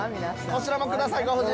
◆こちらもください、ご夫人。